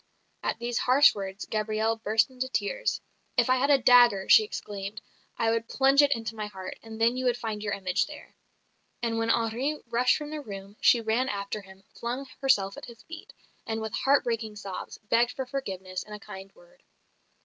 At these harsh words, Gabrielle burst into tears. "If I had a dagger," she exclaimed, "I would plunge it into my heart, and then you would find your image there." And when Henri rushed from the room, she ran after him, flung herself at his feet, and with heart breaking sobs, begged for forgiveness and a kind word.